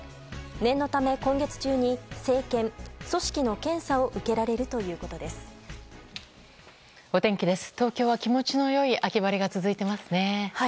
念のため今月中に生検、組織の検査を受けられるということです。